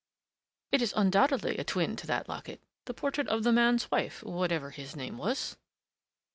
It's undoubtedly a twin to that locket, the portrait of the man's wife whatever his name was."